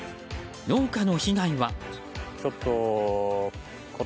農家の被害は。